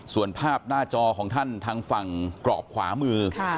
ส่วนภาพหน้าจอของท่านทางฝั่งกรอบขวามือ